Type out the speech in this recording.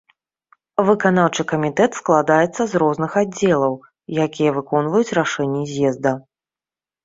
Выканаўчы камітэт складаецца з розных аддзелаў, якія выконваюць рашэнні з'езда.